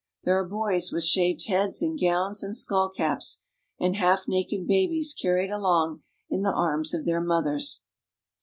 There are boys with shaved heads in gowns and skull caps, and half naked babies carried along in the arms of their mothers.